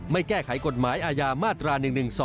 แก้ไขกฎหมายอาญามาตรา๑๑๒